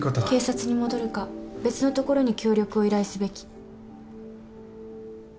警察に戻るか別の所に協力を依頼すべき。